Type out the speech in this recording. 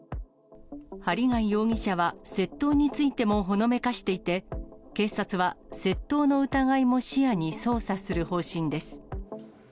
針谷容疑者は窃盗についてもほのめかしていて、警察は窃盗の疑いも視野に捜査する方針です。